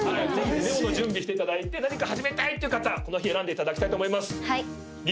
ぜひメモの準備していただいて何か始めたいっていう方この日選んでいただきたいと思います。